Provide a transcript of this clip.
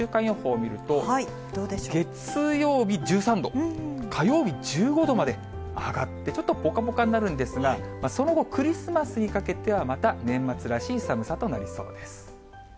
月曜日１３度、火曜日１５度まで上がって、ちょっとぽかぽかになるんですが、その後、クリスマスにかけては、また年末らしい寒さとなりそうです。